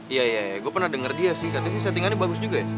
iya iya iya gue pernah denger dia sih katanya si settingannya bagus juga ya